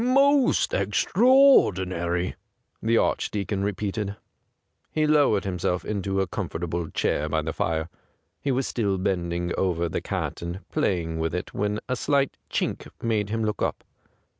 ' Most extraordinary !' the Arch deacon repeated. He lowered himself into a com fortable chair by the fire. He was still bending over the cat and play ing with it when a slight chink made him look up.